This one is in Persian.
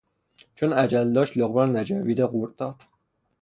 چون عجله داشت لقمه را نجویده قورت داد.